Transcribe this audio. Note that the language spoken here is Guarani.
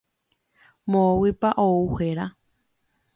Moõguipa ou héra.